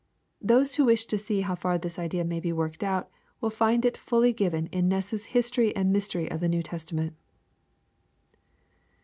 Those who wish to see how far this idea may be worked out, will find it fully given in Ness's History and Mys tery of the New Testament.